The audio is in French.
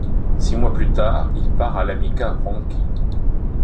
Six mois plus tard, il part à l'Amica Wronki.